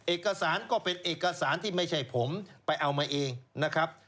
เอกสารก็เป็นเอกสารที่ไม่ใช่ผมไปเอามาเองนะครับ